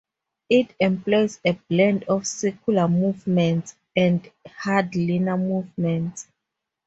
It employs a blend of circular movements and hard linear movements.